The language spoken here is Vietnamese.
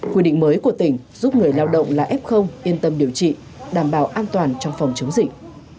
quy định mới của tỉnh giúp người lao động là f yên tâm điều trị đảm bảo an toàn trong phòng chống dịch